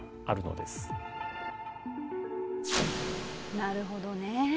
なるほどね。